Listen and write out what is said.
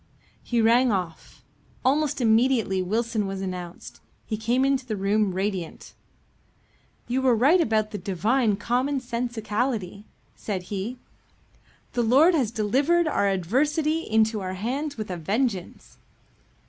He rang off. Almost immediately Wilson was announced. He came into the room radiant. "You were right about the divine common sensicality," said he. "The Lord has delivered our adversary into our hands with a vengeance."